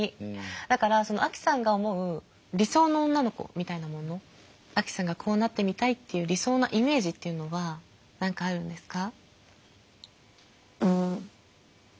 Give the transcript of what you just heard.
だからアキさんが思う理想の女の子みたいなものアキさんがこうなってみたいっていう理想のイメージっていうのは何かあるんですか？